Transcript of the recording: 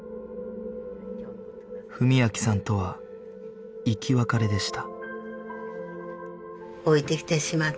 文明さんとは生き別れでした